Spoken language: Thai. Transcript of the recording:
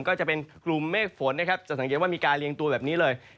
ก็จะเป็นกลุ่มเมฆฝนนะครับจะสังเกตว่ามีการเรียงตัวแบบนี้เลย